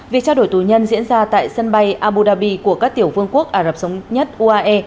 việc trao đổi tù nhân diễn ra tại sân bay abu dhabi của các tiểu vương quốc ả rập xê nhất uae